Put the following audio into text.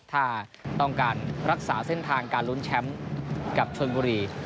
ถ้าต้องการรักษาเส้นทางการลุ้นแชมป์กับชนบุรี